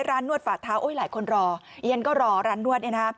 ร้านนวดฝาดเท้าหลายคนรอเย็นก็รอร้านนวด